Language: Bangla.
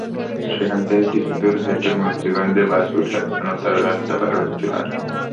সেখান থেকে কিছুদূর হেঁটে মুন্সিগঞ্জের বাসে ওঠার জন্য তাঁরা রাস্তা পার হচ্ছিলেন।